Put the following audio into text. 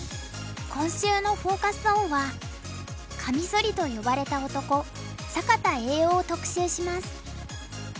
今週のフォーカス・オンはカミソリと呼ばれた男坂田栄男を特集します。